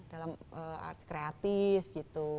dalam arti kreatif gitu